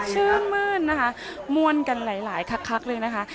ชื่นมืนมวลกันหลายคลักเลยนะคะ